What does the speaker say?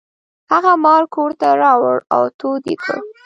هغه مار کور ته راوړ او تود یې کړ.